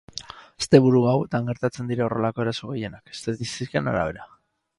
Asteburu gauetan gertatzen dira horrelako eraso gehienak, estatistiken arabera.